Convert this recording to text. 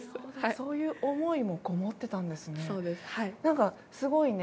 そういう思いもこもってたんですね。